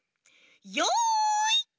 よい！